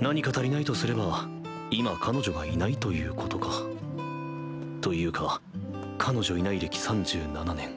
何か足りないとすれば今彼女がいないということか。というか彼女いない歴３７年。